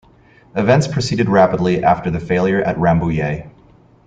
Events proceeded rapidly after the failure at Rambouillet.